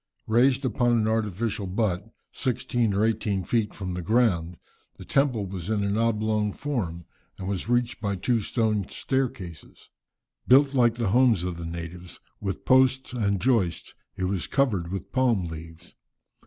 Raised upon an artificial butt, sixteen or eighteen feet from the ground, the temple was in an oblong form, and was reached by two stone staircases. Built like the homes of the natives, with posts and joists, it was covered with palm leaves.